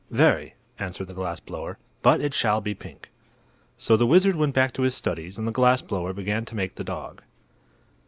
"Very," answered the glass blower; "but it shall be pink." So the wizard went back to his studies and the glass blower began to make the dog.